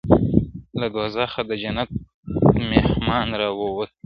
• له دوزخه د جنت مهمان را ووت ..